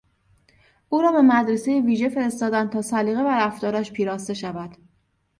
او را به مدرسهی ویژه فرستادند تا سلیقه و رفتارش پیراسته شود.